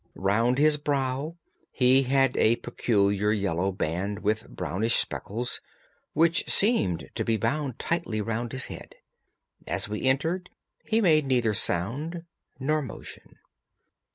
Round his brow he had a peculiar yellow band, with brownish speckles, which seemed to be bound tightly round his head. As we entered he made neither sound nor motion.